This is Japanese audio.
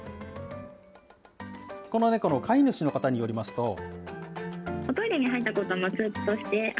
この猫の飼い主の方によりますと。